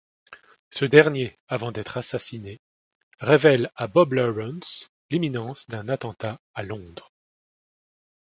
Ce dernier, avant d’être assassiné, révèle à Bob Lawrence l’imminence d’un attentat à Londres.